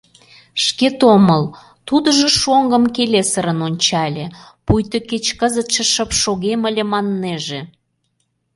— Шкет омыл, — тудыжо шоҥгым келесырын ончале, пуйто кеч кызытше шып шогем ыле маннеже.